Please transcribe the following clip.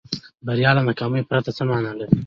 بریا له ناکامۍ پرته څه معنا لري.